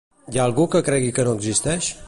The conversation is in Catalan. Hi ha algú que cregui que no existeix?